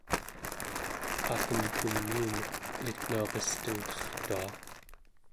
akemkumiumek elitnauristengqertua